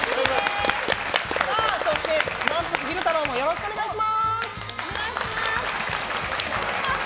そしてまんぷく昼太郎もよろしくお願いします。